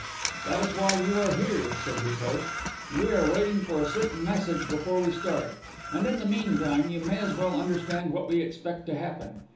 "That is why you are here," said his host. "We are waiting for a certain message before we start, and in the meantime you may as well understand what we expect to happen.